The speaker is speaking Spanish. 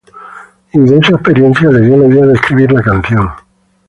Y de esa experiencia le dio la idea de escribir la canción.